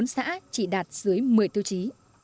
một mươi bốn xã chỉ đạt dưới một mươi tiêu chí